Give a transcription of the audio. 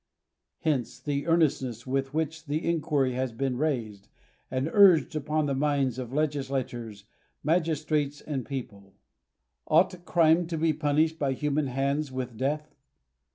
Hence the earnestness with which the inquiry has been raised and urged upon the minds of legislators, magistrates and people, •• Ought crime to be punished by human hands with death